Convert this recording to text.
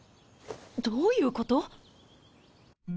どういうこと？